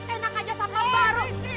enak aja sama baru